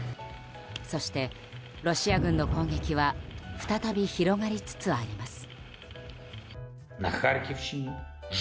そして、ロシア軍の攻撃は再び広がりつつあります。